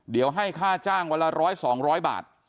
เดี๋ยวให้ค่าจ้างวันละ๑๐๐๒๐๐บาท